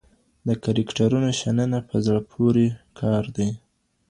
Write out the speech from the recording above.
د کرکټرونو شننه په زړه پوريکار دئ.